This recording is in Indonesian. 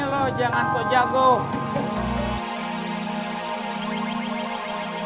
sudah aku bilang kamu jangan macam macam